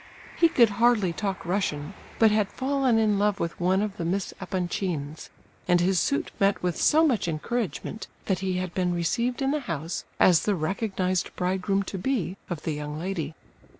He could hardly talk Russian, but had fallen in love with one of the Miss Epanchins, and his suit met with so much encouragement that he had been received in the house as the recognized bridegroom to be of the young lady.